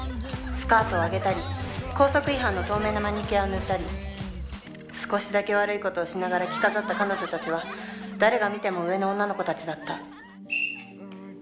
スカートをあげたり校則違反の透明のマニキュアを塗ったり少しだけ悪いことをしながら着飾った彼女たちは誰が見ても“上”の女の子たちだった。